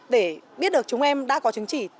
để biết được chúng em đã có chứng chỉ